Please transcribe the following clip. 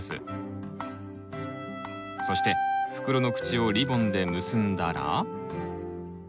そして袋の口をリボンで結んだら。